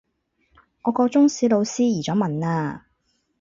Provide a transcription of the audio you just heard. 我個中史老師移咗民喇